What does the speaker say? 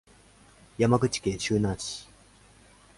山口県周南市